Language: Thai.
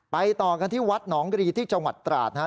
ต่อกันที่วัดหนองรีที่จังหวัดตราดนะฮะ